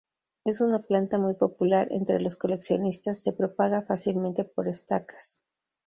Es una planta muy popular entre los coleccionistas, se propaga fácilmente por estacas.